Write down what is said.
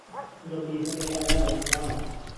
دڵی هەر لە لا یارە تەواوە